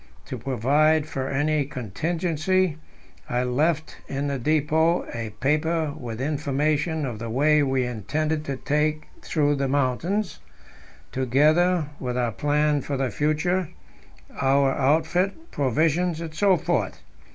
To provide for any contingency, I left in the depot a paper with information of the way we intended to take through the mountains, together with our plan for the future, our outfit, provisions, etc.